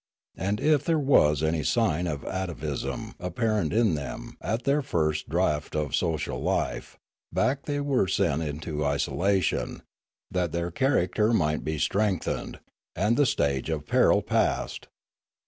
And if there was any sign of atavism apparent in them at their first draught of social life, back they were sent into isolation, that their character might be strengthened, and the stage of peril passed.